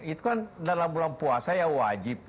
itu kan dalam bulan puasa ya wajib